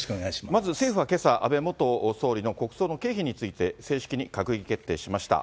まず政府はけさ、安倍元総理の国葬の経費について、正式に閣議決定しました。